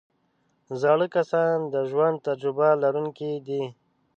زاړه کسان د ژوند تجربه لرونکي دي